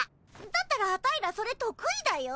だったらアタイらそれとく意だよ。